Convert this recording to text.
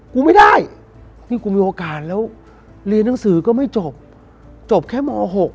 กูไม่ได้นี่กูมีโอกาสแล้วเรียนหนังสือก็ไม่จบจบแค่ม๖